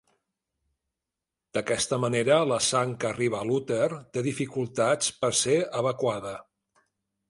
D'aquesta manera, la sang que arriba a l'úter, té dificultats per ser evacuada.